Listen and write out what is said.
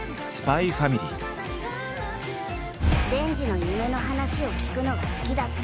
デンジの夢の話を聞くのが好きだった。